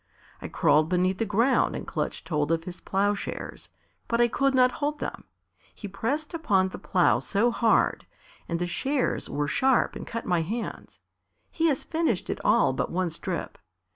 I crawled beneath the ground and clutched hold of his ploughshares, but I could not hold them he pressed upon the plough so hard, and the shares were sharp and cut my hands. He has finished it all but one strip.